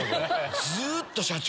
ずっと社長！